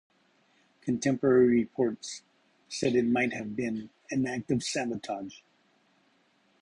Contemporary reports said it might have been an act of sabotage.